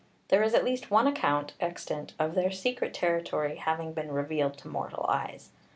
There is at least one account extant of their secret territory having been revealed to mortal eyes.